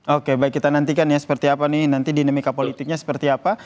oke baik kita nantikan ya seperti apa nih nanti dinamika politiknya seperti apa